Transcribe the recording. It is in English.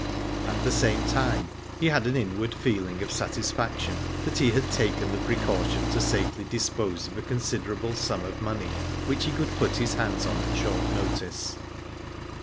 At the same time he had an inward feeling of satisfaction that he had taken the precaution to safely dispose of a considerable sum of money, which he could put his hands on at short notice.